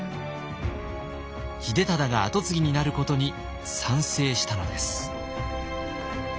秀忠が跡継ぎになることに賛成したのです。